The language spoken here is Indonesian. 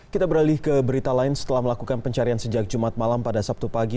kita beralih ke berita lain setelah melakukan pencarian sejak jumat malam pada sabtu pagi